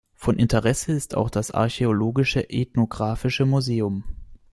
Von Interesse ist auch das archäologisch-ethnographische Museum.